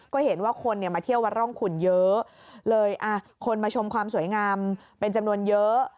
ก็เห็นว่าคนเนี่ยมาเที่ยววัดร่องขุนเยอะเลยคนมาชมความสวยงามเป็นจำนวนเยอะ